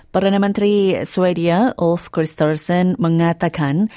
perdana menteri sweden ulf christensen mengatakan